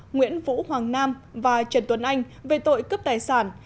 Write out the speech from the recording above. nguyễn vũ hoàng nam và trần tuấn anh về tội cướp tài sản